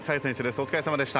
お疲れさまでした。